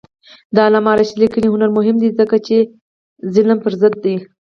د علامه رشاد لیکنی هنر مهم دی ځکه چې ظلم پر ضد دی.